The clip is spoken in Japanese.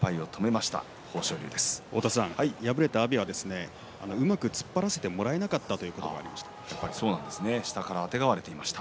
敗れた阿炎はうまく突っ張らせてもらえなかったと言っていました。